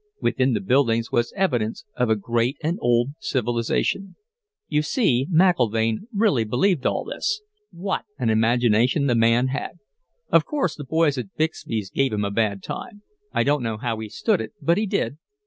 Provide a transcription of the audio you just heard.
Within the buildings was evidence of a great and old civilization.... "You see, McIlvaine really believed all this. What an imagination the man had! Of course, the boys at Bixby's gave him a bad time; I don't know how he stood it, but he did.